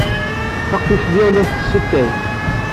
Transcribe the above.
Taqcict-nni la tettess atay.